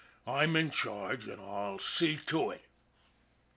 I'm in charge, an' I'll see to it."